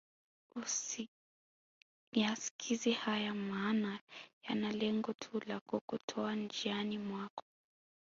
Usiyaskilize haya maana yana lengo tu la kukutoa njiani mwako